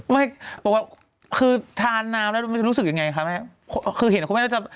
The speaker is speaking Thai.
ไม่ก็แค่คือทานนาปแล้วมิรู้สึกยังไงคะมั้ยคือเห็นคุณแม่ะเราจะ